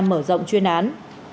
mở rộng chuyên án